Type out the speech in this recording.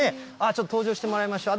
ちょっと登場してもらいましょう。